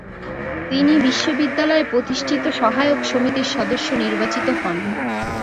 তিনি বিশ্ববিদ্যালয়ে প্রতিষ্ঠিত সহায়ক সমিতির সদস্য নির্বাচিত হন।